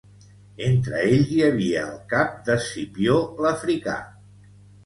Entre ells hi havia el cap d'Escipió l'Africà.